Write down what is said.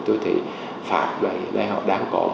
tôi thấy pháp là hiện nay họ đang có